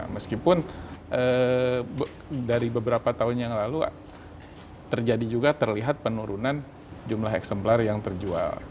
meskipun dari beberapa tahun yang lalu terjadi juga terlihat penurunan jumlah eksemplar yang terjual